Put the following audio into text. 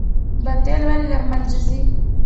باطل ولې له منځه ځي؟